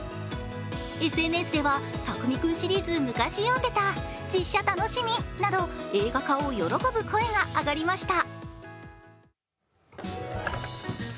ＳＮＳでは「タクミくんシリーズ」昔読んでた、実写楽しみなど、映画化を喜ぶ声が上がりました。